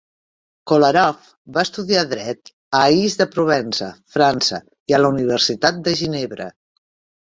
Kolarov va estudiar dret a Ais de Provença, França i a la Universitat de Ginebra.